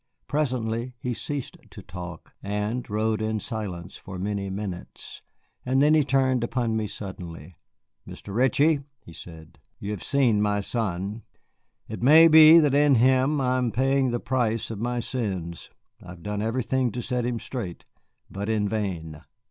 Presently he ceased to talk, and rode in silence for many minutes. And then he turned upon me suddenly. "Mr. Ritchie," he said, "you have seen my son. It may be that in him I am paying the price of my sins. I have done everything to set him straight, but in vain.